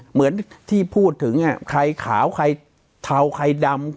เหมือนที่พูดถึงใครขาวใครเทาใครดำ